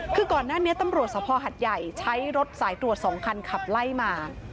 คือก่อนหน้านี้ตำรวจสภหัดใหญ่ใช้รถสายตรวจ๒คันขับไล่มา